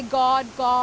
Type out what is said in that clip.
dengan tuhan mereka